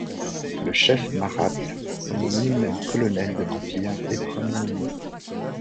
Le chef mahratte se nomme lui-même Colonel de l'empire et premier ministre.